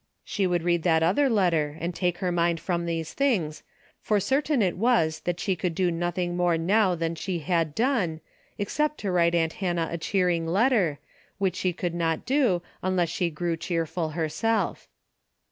She would read that other letter and take her mind from these things, for certain it was that she could do nothing more now than she had done, except to write aunt Hannah a cheering letter, which she could not do unless she grew cheerful her self.